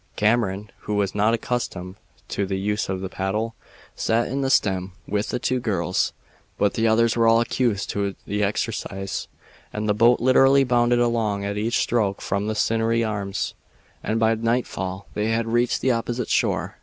Cameron, who was not accustomed to the use of the paddle, sat in the stern with the two girls; but the others were all used to the exercise, and the boat literally bounded along at each stroke from the sinewy arms, and by nightfall they had reached the opposite shore.